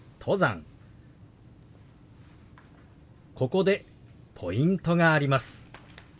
ここでポイントがあります。